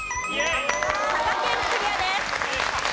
佐賀県クリアです。